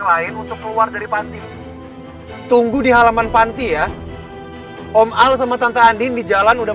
lain untuk keluar dari panti tunggu di halaman panti ya om al sama tante andin di jalan udah